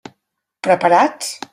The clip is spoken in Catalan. Preparats?